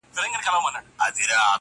له یوسف څخه به غواړم د خوبونو تعبیرونه!